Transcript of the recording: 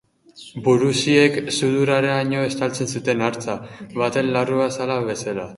Burusiek sudurreraino estaltzen zuten, hartz baten larruazalak bezala.